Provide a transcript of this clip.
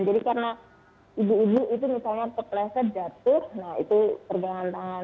jadi karena ibu ibu itu misalnya kepleset jatuh nah itu pergelangan tangan